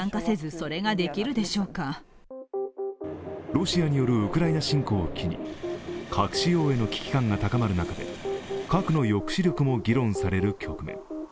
ロシアによるウクライナ侵攻を機に核使用への危機感が高まる中で核の抑止力も議論される局面。